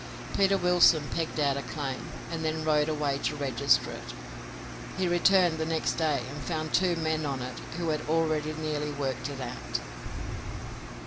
Peter Wilson pegged out a claim, and then rode away to register it. He returned next day and found two men on it who had already nearly worked it out.